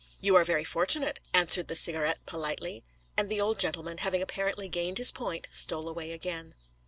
'You are very fortunate,' answered the Cigarette politely. And the old gentleman, having apparently gained his point, stole away again.